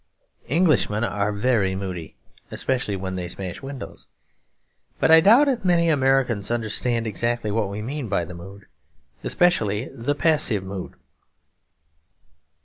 Englishmen are very moody, especially when they smash windows. But I doubt if many Americans understand exactly what we mean by the mood; especially the passive mood.